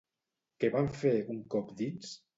Què van fer, un cop dins?